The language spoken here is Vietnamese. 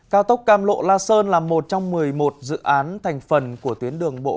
cao tốc cam lộ la sơn là một trong một mươi một dự án thành phần của tuyến đường bộ